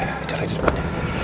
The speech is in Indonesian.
ya ya caranya di depan